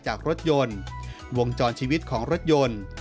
จากรถยนต์วงจรชีวิตของรถยนต์